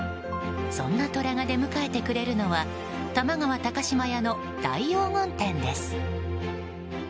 そんなトラが出迎えてくれるのは玉川高島屋の「大黄金展」です。